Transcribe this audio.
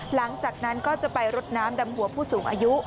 หลังจากนั้นก็จะไปรดน้ำดำหัวผู้สูงอายุ